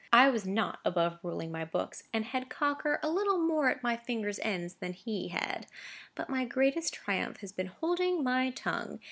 I was not above ruling my books, and had Cocker a little more at my fingers' ends than he had. But my greatest triumph has been holding my tongue.